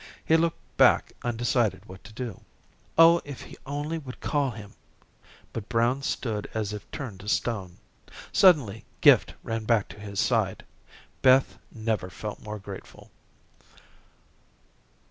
He looked back undecided what to do. "Oh, if he only would call him," but Brown stood as if turned to stone. Suddenly Gift ran back to his side. Beth never felt more grateful.